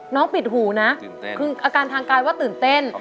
ปิดหูนะคืออาการทางกายว่าตื่นเต้น